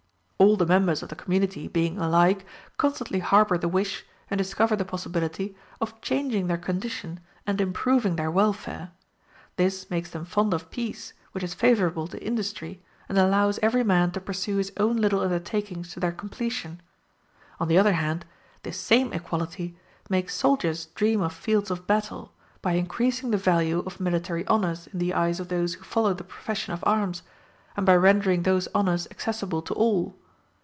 All the members of the community, being alike, constantly harbor the wish, and discover the possibility, of changing their condition and improving their welfare: this makes them fond of peace, which is favorable to industry, and allows every man to pursue his own little undertakings to their completion. On the other hand, this same equality makes soldiers dream of fields of battle, by increasing the value of military honors in the eyes of those who follow the profession of arms, and by rendering those honors accessible to all.